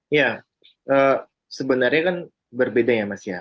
ya sebenarnya kan berbeda ya mas ya